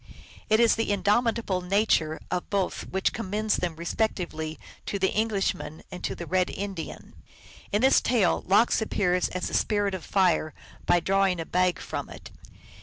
It is the indomitable nature of both which commends them respectively to the Englishman and to the Red Indian. In this tale Lox appears as the spirit of fire by drawing a bag from it.